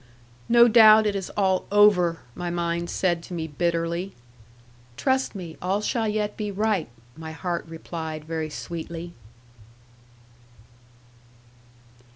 'No doubt it is all over,' my mind said to me bitterly; 'trust me, all shall yet be right,' my heart replied very sweetly.